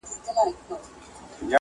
خوند کوي خو د بل نوي شاعر سره چې